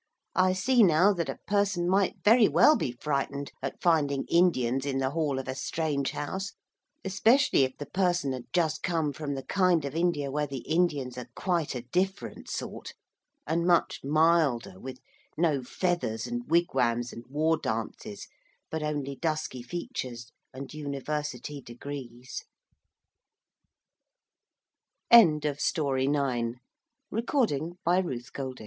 I see now that a person might very well be frightened at finding Indians in the hall of a strange house, especially if the person had just come from the kind of India where the Indians are quite a different sort, and much milder, with no feathers and wigwams and war dances, but only dusky features and Uni